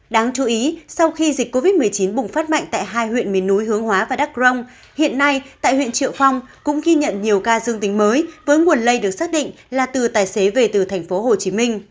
đáng chú ý sau khi dịch covid một mươi chín bùng phát mạnh tại hai huyện miền núi hướng hóa và đắc rông hiện nay tại huyện triệu phong cũng ghi nhận nhiều ca dương tính mới với nguồn lây được xác định là từ tài xế về từ tp hcm